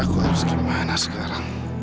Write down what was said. aku harus gimana sekarang